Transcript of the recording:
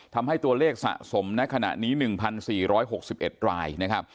ทำให้ตัวเลขสะสมในขณะนี้๑๔๖๑รายนะครับ